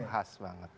itu khas banget